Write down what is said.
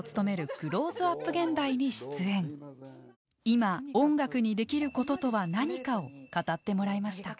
いま音楽にできることとは何かを語ってもらいました。